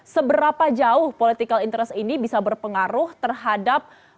seberapa jauh political interest ini bisa berpengaruh terhadap